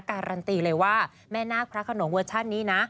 การันตีเลยว่าแม่นาคพระขนงเวอร์ชันนี้นะ